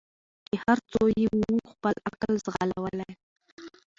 چي هر څو یې وو خپل عقل ځغلولی